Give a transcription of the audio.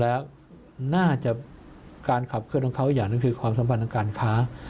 แล้วน่าจะการขับเคลื่อนของเขาอีกอย่างหนึ่งคือความสัมพันธ์ทางการค้า